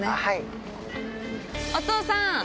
お父さん！